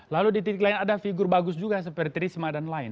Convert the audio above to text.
lalu di titik lain ada figur bagus juga seperti risma dan lain